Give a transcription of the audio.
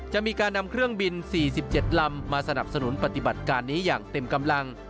จะมีการนำเครื่องบิน๔๗ลำมาสนับสนุนปฏิบัติการนี้อย่างเต็มกำลัง